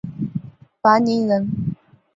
樊陵人。